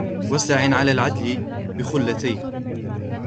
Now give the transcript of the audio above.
وَاسْتَعِنْ عَلَى الْعَدْلِ بِخُلَّتَيْنِ